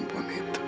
apa sebenarnya aku